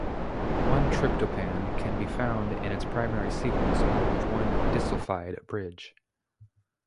One tryptophan can be found in its primary sequence along with one disulfide bridge.